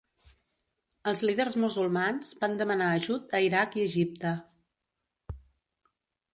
Els líders musulmans van demanar ajut a Iraq i Egipte.